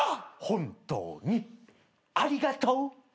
「本当にありがとう」